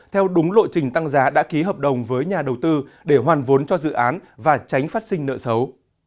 theo đúng lộ trình tăng giá đã ký hợp đồng với nhà đầu tư để hoàn vốn cho dự án và tránh phát sinh nợ xấu